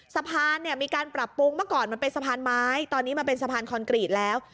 สะพานเนี่ยมีการปรับปรุงเมื่อก่อนมันเป็นสะพานไม้ตอนนี้มันเป็นสะพานคอนกรีตแล้ว